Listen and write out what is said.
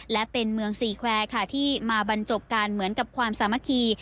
และเป็นเมืองสี่แควร์ค่ะที่มาบรรจบการเหมือนกับความสามัคคี